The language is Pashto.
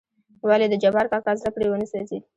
ولې دجبار کاکا زړه پرې ونه سوزېد .